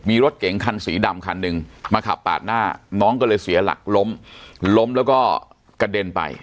มีรถเก๋งคันสีดำคันหนึ่งมาขับปาดหน้าน้องก็เลยเสียหลักล้มล้มแล้วก็กระเด็นไป